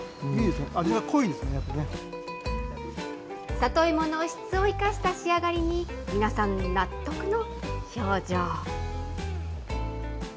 里芋の質を生かした仕上がりに、皆さん納得の。